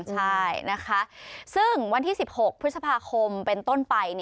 ใช่นะคะซึ่งวันที่๑๖พฤษภาคมเป็นต้นไป